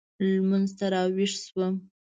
لمونځ ته راوېښ شوم.